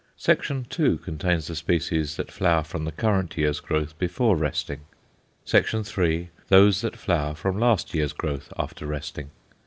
Section II. contains the species that flower from the current year's growth before resting. Section III., those that flower from last year's growth after resting.